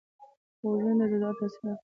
غوږونه د دعا تاثیر اخلي